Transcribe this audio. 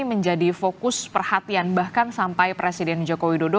menjadi fokus perhatian bahkan sampai presiden joko widodo